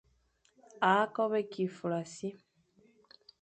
A kobo kig fulassi.